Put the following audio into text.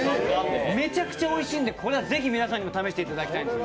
めちゃくちゃおいしいんでこれ、是非皆さんにも食べていただきたいです。